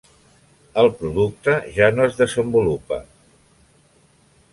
El producte ja no es desenvolupa.